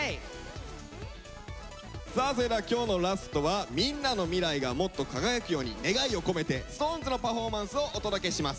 さあそれでは今日のラストはみんなの未来がもっと輝くように願いを込めてＳｉｘＴＯＮＥＳのパフォーマンスをお届けします。